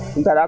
chúng ta đã có